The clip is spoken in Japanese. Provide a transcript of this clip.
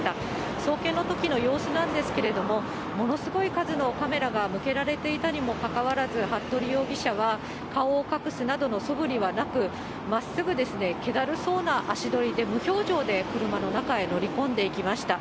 送検のときの様子なんですけれども、ものすごい数のカメラが向けられていたにもかかわらず、服部容疑者は、顔を隠すなどのそぶりはなく、まっすぐ気だるそうな足取りで、無表情で車の中へ乗り込んでいきました。